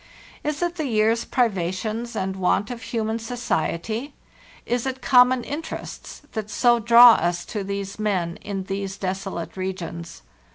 Is it the year's privations and want of human society, 1s THE SOOCKRNE Y SOULHWARD 541 it common interests, that so draw us to these men in these desolate regions?